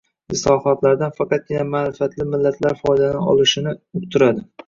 islohotlardan faqatgina ma`rifatli millatlar foydalana olishini uqtiradi.